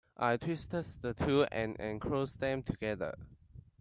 I twisted the two, and enclosed them together.